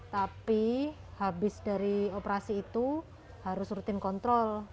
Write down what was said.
tapi habis dari operasi itu harus rutin kontrol